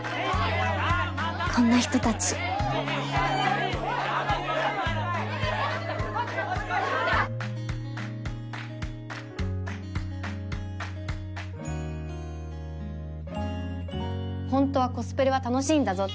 こんな人たちホントはコスプレは楽しいんだぞって